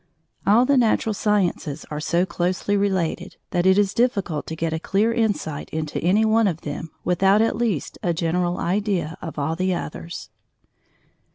All the natural sciences are so closely related that it is difficult to get a clear insight into any one of them without at least a general idea of all the others.